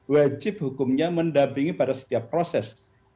wajib hukumnya mendampingi pada setiap proses